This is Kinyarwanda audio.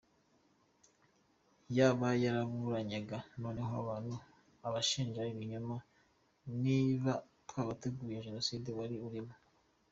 Yaba yaraburanyaga noneho abantu abashinja ibinyoma, niba ntawateguye jenoside wari urimo !!